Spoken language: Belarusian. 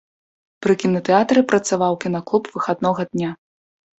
Пры кінатэатры працаваў кінаклуб выхаднога дня.